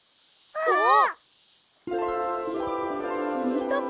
あっ！